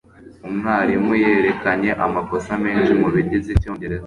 umwarimu yerekanye amakosa menshi mubigize icyongereza